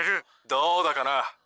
「どうだかな」。